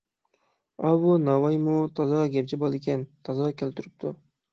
ئاۋۇ ناۋايمۇ تازا گەپچى بالىكەن، تازا كەلتۈرۈپتۇ!